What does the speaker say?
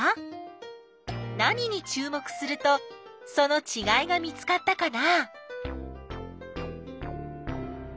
何にちゅう目するとそのちがいが見つかったかな？